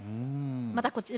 またこちら